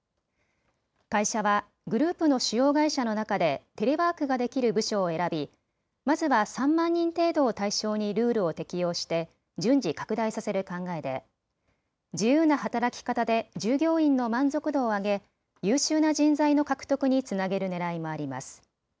会社はグループの主要会社の中でテレワークができる部署を選びまずは３万人程度を対象にルールを適用して順次拡大させる考えで自由な働き方で従業員の満足度を上げ優秀な人材の獲得につなげるねらいもあります。